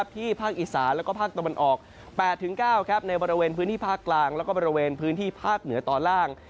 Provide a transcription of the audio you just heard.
ภาคอีสานแล้วก็ภาคตะวันออก๘๙ในบริเวณพื้นที่ภาคกลางแล้วก็บริเวณพื้นที่ภาคเหนือตอนล่าง